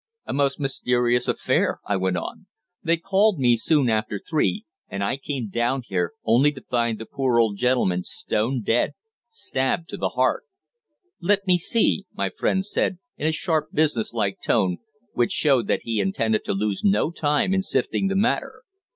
"A most mysterious affair," I went on. "They called me soon after three, and I came down here, only to find the poor old gentleman stone dead stabbed to the heart." "Let me see him," my friend said in a sharp business like tone, which showed that he intended to lose no time in sifting the matter.